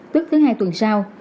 tức thứ hai tuần sau